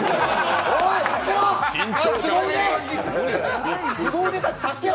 おい、助けろ！